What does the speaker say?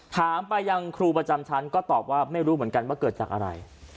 ถามไปยังครูประจำชั้นก็ตอบว่าไม่รู้เหมือนกันว่าเกิดจากอะไร